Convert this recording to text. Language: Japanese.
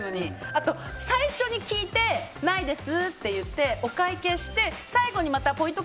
あと最初に聞いてないですって言ってお会計をして最後にまたポイント